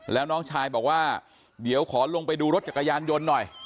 แล้วน้องชายบอกว่าเดี๋ยวขอลงไปดูรถจักรยานยนต์หน่อย